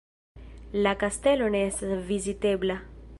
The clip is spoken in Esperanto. La kastelo ne estas vizitebla.